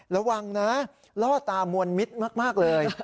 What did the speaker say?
ระวังนะล่อตามวนมิตรมากเลย